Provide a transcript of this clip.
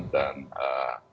dan berkompetisi secara sehat